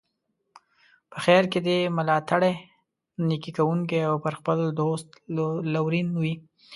په خیر کې دي ملاتړی، نیکي کوونکی او پر خپل دوست لورین وي.